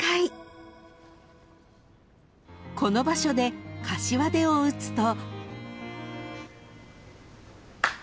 ［この場所でかしわ手を打つと］